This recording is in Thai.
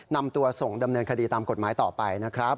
นำตัวส่งดำเนินคดีตามกฎหมายต่อไปนะครับ